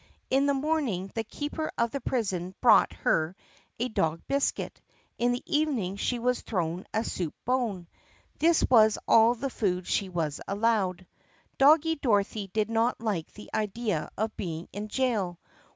In the morning the keeper of the prison brought her a dog biscuit, in the evening she was thrown a soup bone. This was all the food she was allowed. Doggie Dorothy did not like the idea of being in jail.